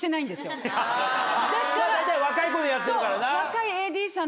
それは大体若い子でやってるからな。